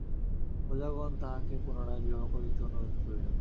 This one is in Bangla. প্রজাগণ তাঁহাকে পুনরায় বিবাহ করিতে অনুরোধ করিল।